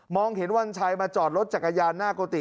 เห็นวัญชัยมาจอดรถจักรยานหน้ากุฏิ